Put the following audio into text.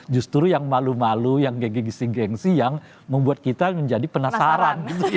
justru yang malu malu yang gege gising gengsi yang membuat kita menjadi penasaran